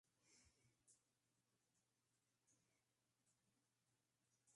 La pila bautismal de la iglesia es excepcional y de renombre mundial.